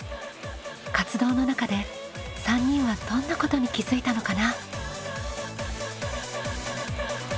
活動の中で３人はどんなことに気づいたのかな？